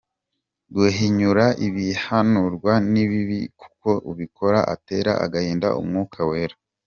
Guhinyura ibihanurwa ni bibi kuko ubikora atera agahinda Umwuka Wera.